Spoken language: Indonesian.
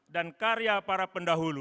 dan karya para pendahulu